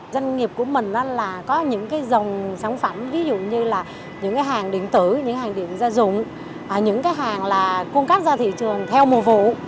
doanh nghiệp của mình là có những dòng sản phẩm ví dụ như là những hàng điện tử những hàng điện gia dụng những hàng là cuôn cắt ra thị trường theo mùa vụ